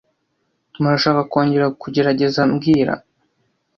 Murashaka kongera kugerageza mbwira